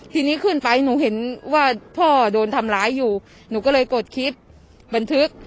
ทีนี้ขึ้นไปหนูเห็นว่าพ่อโดนทำร้ายอยู่หนูก็เลยกดคลิปบันทึก